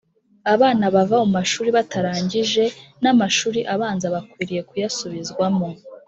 abana bava mu ishuri batarangije na amshuri abanza bakwiriye kuyasubizwamo